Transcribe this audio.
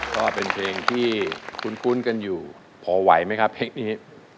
ก็เป็นเพลงที่คุ้นกันอยู่พอไหวไหมครับเพลงนี้